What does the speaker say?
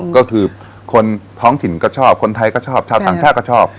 ก็คือคนท้องถิ่นก็ชอบคนไทยก็ชอบชาวต่างชาติก็ชอบ